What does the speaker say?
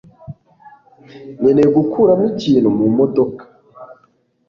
nkeneye gukuramo ikintu mumodoka